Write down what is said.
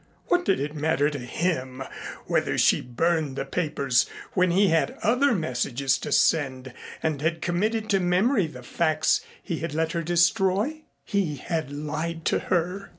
What did it matter to him whether she burned the papers when he had other messages to send and had committed to memory the facts he had let her destroy? He had lied to her.